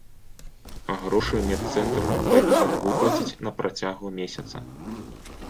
Грошы медцэнтр павінен выплаціць на працягу месяца.